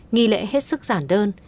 nghi lễ hết sức giản đơn